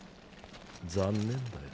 残念だよ。